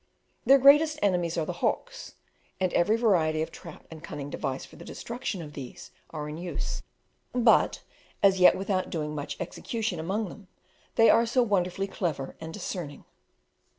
Their greatest enemies are the hawks, and every variety of trap and cunning device for the destruction of these latter are in use, but as yet without doing much execution among them, they are so wonderfully clever and discerning.